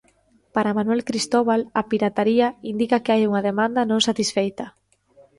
Para Manuel Cristóbal, a pirataría indica que hai unha demanda non satisfeita.